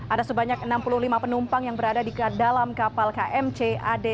ada sebanyak enam puluh lima penumpang yang berada di dalam kapal kmc ad satu ratus enam puluh lima